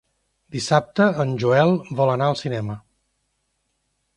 Dissabte en Joel vol anar al cinema.